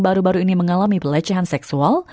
baru baru ini mengalami pelecehan seksual